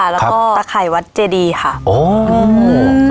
แล้วก็ตะไข่วัดเจดีค่ะ